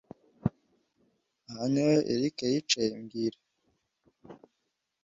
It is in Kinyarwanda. Aha niho Eric yicaye mbwira